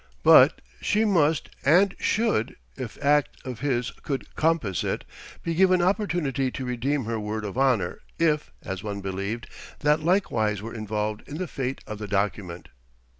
But she must and should, if act of his could compass it, be given opportunity to redeem her word of honour if, as one believed, that likewise were involved in the fate of the document.